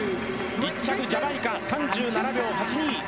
１着ジャマイカ３７秒８２。